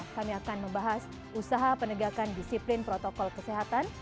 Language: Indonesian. kami akan membahas usaha penegakan disiplin protokol kesehatan